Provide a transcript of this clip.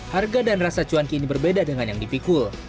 harga dan rasa cuanki ini berbeda dengan yang dipikul